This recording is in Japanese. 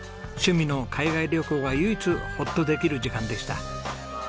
趣味の海外旅行が唯一ホッとできる時間でした。